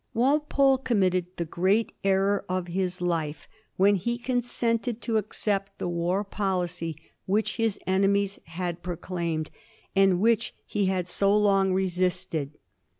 Walpole committed the great error of his life when he consented to accept the war policy which his enemies had proclaimed, and which he had so long resisted.